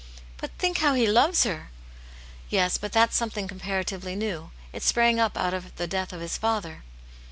" But think how he loves her !" "Yes; but that's something comparatively new. It sprang up out of the death of his father."